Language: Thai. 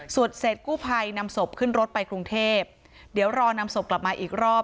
เสร็จกู้ภัยนำศพขึ้นรถไปกรุงเทพเดี๋ยวรอนำศพกลับมาอีกรอบ